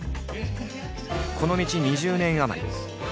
この道２０年余り。